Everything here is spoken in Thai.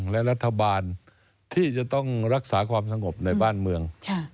และรัฐบาลที่จะต้องรักษาความสงบในบ้านเมือง